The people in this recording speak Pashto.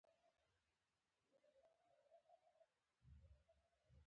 د پلونو ډیزاین لپاره د اشټو سټنډرډ کارول کیږي